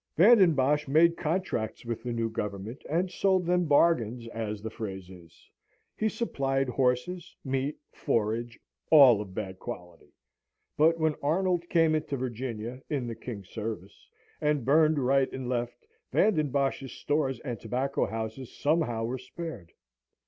Van den Bosch made contracts with the new Government, and sold them bargains, as the phrase is. He supplied horses, meat, forage, all of bad quality; but when Arnold came into Virginia (in the King's service) and burned right and left, Van den Bosch's stores and tobacco houses somehow were spared.